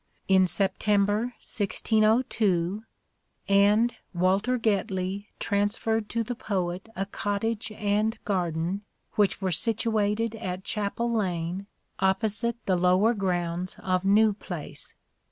On September 1602 " one Walter Getley transferred to the poet a cottage and garden which were situated at Chapel Lane opposite the lower grounds of New Place."